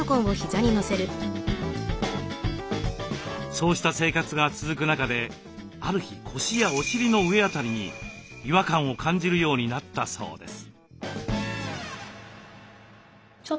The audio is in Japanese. そうした生活が続く中である日腰やお尻の上辺りに違和感を感じるようになったそうです。